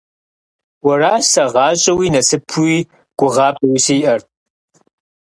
Уэращ сэ гъащӀэуи, насыпуи, гугъапӀэуи сиӀэр.